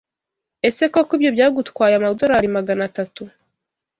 Ese koko ibyo byagutwaye amadorari magana atatu?